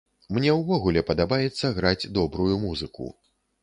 Мне ўвогуле падабаецца граць добрую музыку.